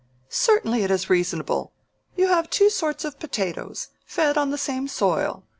"Certainly it is reasonable. You have two sorts of potatoes, fed on the same soil.